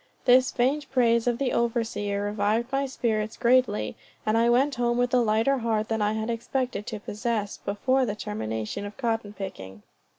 This faint praise of the overseer revived my spirits greatly, and I went home with a lighter heart than I had expected to possess, before the termination of cotton picking.